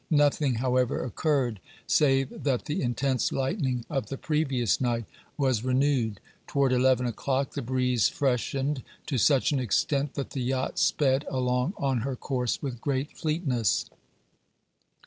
Nothing, however, occurred, save that the intense lightning of the previous night was renewed. Toward eleven o'clock the breeze freshened to such an extent that the yacht sped along on her course with great fleetness.